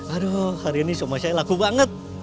aduh hari ini semua saya laku banget